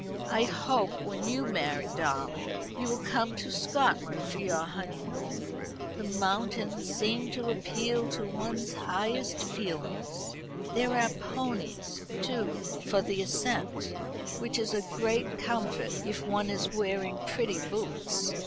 "I hope when you marry, darling, you will come to Scotland for your honeymoon. The mountains seem to appeal to one's highest feelings. There are ponies, too, for the ascent; which is a great comfort if one is wearing pretty boots.